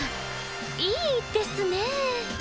いいですね。